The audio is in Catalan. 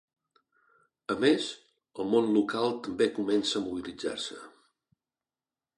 A més, el món local també comença a mobilitzar-se.